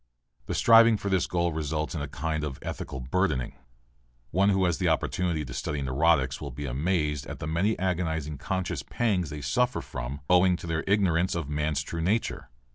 The striving for this goal results in a kind of ethical burdening. One who has had the opportunity to study neurotics will be amazed at the many agonizing conscious pangs they suffer from owing to their ignorance of man's true nature.